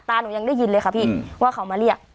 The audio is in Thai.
หนูยังได้ยินเลยค่ะพี่ว่าเขามาเรียก